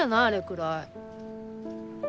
あれくらい。